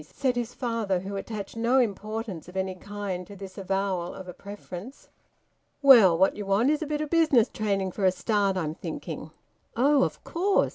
said his father, who attached no importance of any kind to this avowal of a preference. "Well, what you want is a bit o' business training for a start, I'm thinking." "Oh, of course!"